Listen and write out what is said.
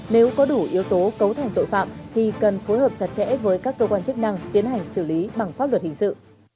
nếu có đủ yếu tố cấu thành tội phạm thì cần phối hợp chặt chẽ với các cơ quan chức năng tiến hành xử lý bằng pháp luật hình sự